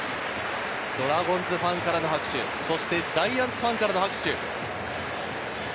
ドラゴンズファンからの拍手、そしてジャイアンツファンからの拍手。